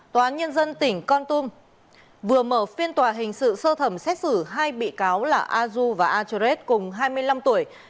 tòa án nhân dân tỉnh con tum vừa mở phiên tòa hình sự sơ thẩm xét xử hai bị cáo là a du và atreet cùng hai mươi năm tuổi